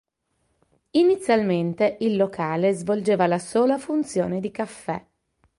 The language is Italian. Inizialmente il locale svolgeva la sola funzione di caffè.